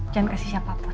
jangan kasih siapapun